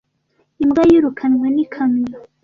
Imbwa yirukanwe n'ikamyo.